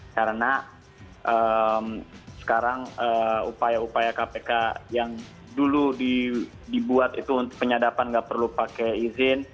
karena sekarang upaya upaya kpk yang dulu dibuat itu penyadapan gak perlu pakai izin